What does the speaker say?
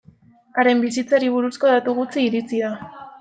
Haren bizitzari buruzko datu gutxi iritsi da.